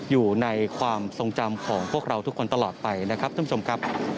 อยู่ในความทรงจำของพวกเราทุกคนตลอดไปนะครับท่านผู้ชมครับ